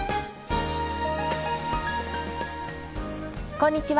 こんにちは